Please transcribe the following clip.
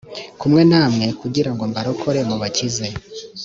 kumwe namwe kugira ngo mbarokore mubakize